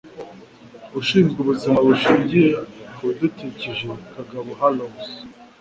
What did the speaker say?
Ushinzwe ubuzima bushingiye ku bidukikije Kagabo Hallows